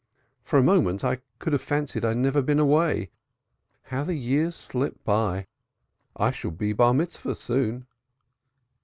For a moment I could fancy I'd never been away. How the years slip by! I shall be Barmitzvah soon."